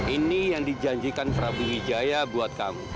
ini yang dijanjikan prabu wijaya buat kamu